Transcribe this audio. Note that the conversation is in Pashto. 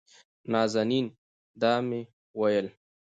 نازنين: دا مې وېل